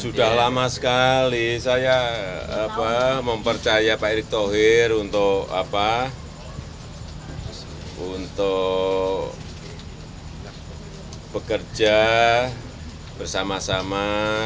sudah lama sekali saya mempercaya pak erick thohir untuk bekerja bersama sama